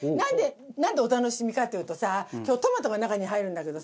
なんでお楽しみかっていうとさ今日トマトが中に入るんだけどさ